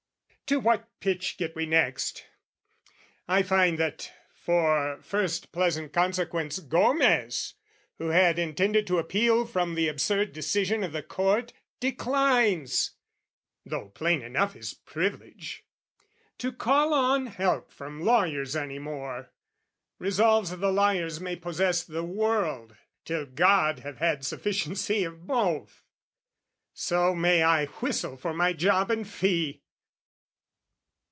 To what pitch get we next? I find that, for first pleasant consequence, Gomez, who had intended to appeal From the absurd decision of the Court, Declines, though plain enough his privilege, To call on help from lawyers any more Resolves the liars may possess the world, Till God have had sufficiency of both: So may I whistle for my job and fee!